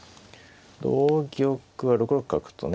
同玉は６六角とね